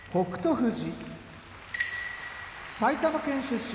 富士埼玉県出身